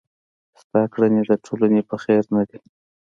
ستا کړني د ټولني په خير نه دي.